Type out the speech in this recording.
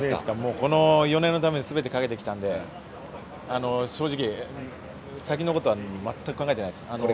この４年のために全てかけてきたので正直、先のことはまったく考えていないです。